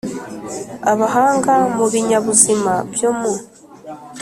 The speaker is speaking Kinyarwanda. Abahanga mu binyabuzima byo mu